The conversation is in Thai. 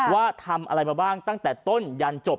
ว่าทำอะไรมาบ้างตั้งแต่ต้นยันจบ